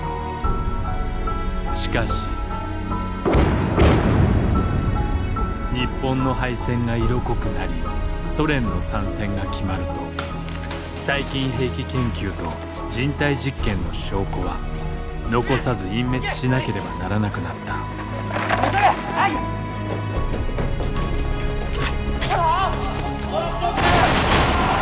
しかし日本の敗戦が色濃くなりソ連の参戦が決まると細菌兵器研究と人体実験の証拠は残さず隠滅しなければならなくなったあっ！